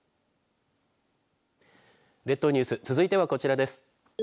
列島ニュース続いてはこちらです。